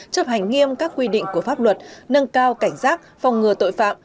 chấp hành nghiêm các quy định của pháp luật nâng cao cảnh giác phòng ngừa tội phạm